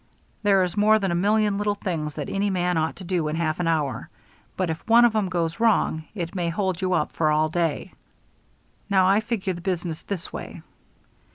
There is more than a million little things that any man ought to do in half an hour, but if one of 'em goes wrong, it may hold you up for all day. Now, I figure the business this way."